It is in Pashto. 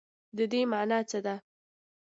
د دې مانا څه ده ؟